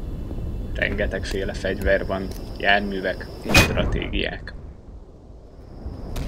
Rengetegféle fegyver van, járművek és stratégiák